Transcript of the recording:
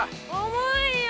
重いよ！